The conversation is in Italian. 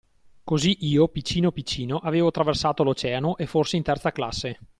Così io, piccino piccino, avevo traversato l'Oceano, e forse in terza classe